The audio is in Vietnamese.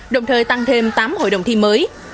đồng thời tăng thêm tám hội đồng thi mới